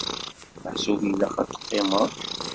Meḥsub ilaq ad teqqimeḍ?